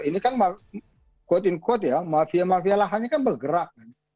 jadi kan quote in quote ya mafia mafia lahannya kan bergerak